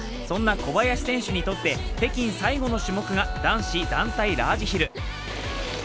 そんな小林選手にとって北京最後の種目が男子団体ラージヒル。